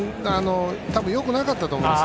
よくなかったと思うんです。